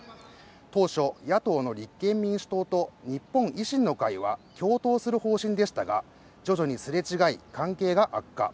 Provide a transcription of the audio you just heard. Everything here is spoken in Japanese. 当初、野党の立憲民主党と日本維新の会は共闘する方針でしたが徐々にすれ違い、関係が悪化。